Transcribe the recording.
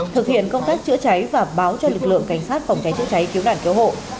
thực hiện công tác chữa cháy và báo cho lực lượng cảnh sát phòng cháy chữa cháy cứu nạn cứu hộ